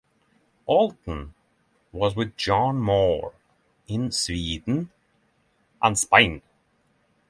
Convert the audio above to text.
Alten was with John Moore in Sweden and Spain.